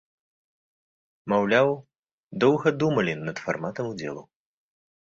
Маўляў, доўга думалі над фарматам удзелу.